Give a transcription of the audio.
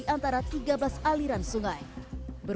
jangan lupa like share dan subscribe